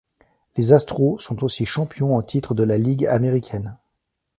Les Astros sont aussi champions en titre de la Ligue américaine.